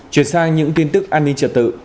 chuyển sang những tin tức an ninh trợ tự